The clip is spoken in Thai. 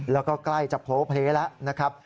แล้วก็ใกล้จะโพลเพลแล้วนะครับ